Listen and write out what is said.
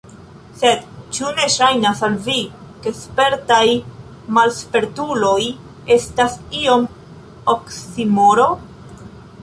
Sed ĉu ne ŝajnas al vi, ke spertaj malspertuloj estas iom oksimoro?